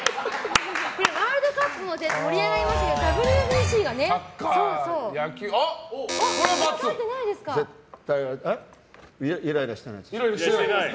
ワールドカップも盛り上がりましたけどイライラしてない。